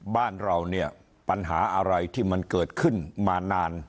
บ้านเราเนี่ยปัญหาอะไรที่มันเกิดขึ้นมานาน